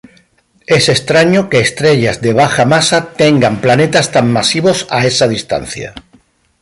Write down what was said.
Es extraño que estrellas de baja masa tenga planetas tan masivos a esa distancia.